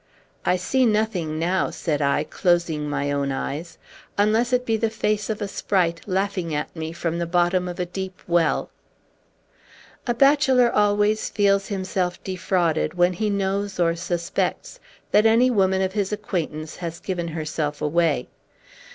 "I see nothing now," said I, closing my own eyes, "unless it be the face of a sprite laughing at me from the bottom of a deep well." A bachelor always feels himself defrauded, when he knows or suspects that any woman of his acquaintance has given herself away.